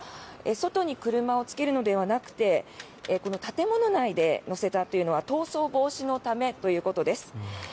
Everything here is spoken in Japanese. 外に車をつけるのではなくてこの建物内で乗せたというのは逃走防止のためということです。